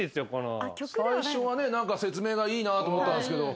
最初は説明がいいなと思ったんですけど。